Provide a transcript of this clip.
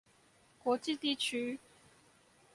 國際地區